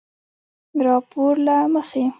راپورله مخې